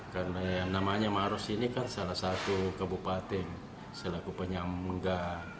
karena yang namanya marosi ini kan salah satu kabupaten selaku penyamungga